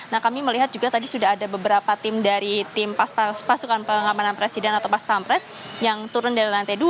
nah kami melihat juga tadi sudah ada beberapa tim dari tim pasukan pengamanan presiden atau pas pampres yang turun dari lantai dua